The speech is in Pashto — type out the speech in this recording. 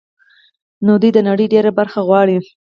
نو دوی د نړۍ ډېره برخه غواړي